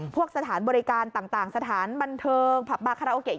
พวกสถานบริการต่างสถานบันเทิงผับบาคาราโอเกะ